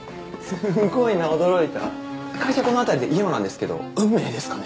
すごいな驚いた会社この辺りで家もなんですけど運命ですかね？